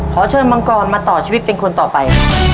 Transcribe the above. ขอเชิญมังกรมาต่อชีวิตเป็นคนต่อไป